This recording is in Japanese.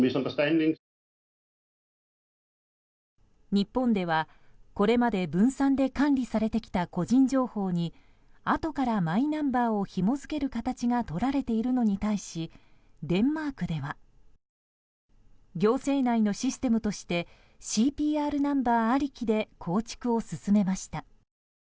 日本では、これまで分散で管理されてきた個人情報にあとからマイナンバーをひも付ける形がとられているのに対しデンマークでは行政内のシステムとしてＣＰＲナンバーありきで構築を進めました。